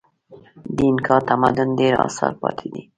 د اینکا تمدن ډېر اثار پاتې دي.